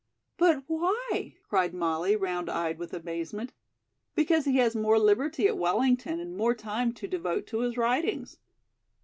"But why?" cried Molly, round eyed with amazement. "Because he has more liberty at Wellington and more time to devote to his writings."